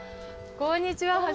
こんにちは。